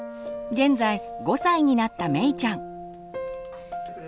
現在５歳になっためいちゃん。